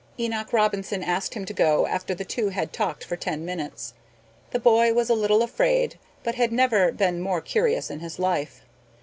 Enoch Robinson asked him to go after the two had talked for ten minutes. The boy was a little afraid but had never been more curious in his life.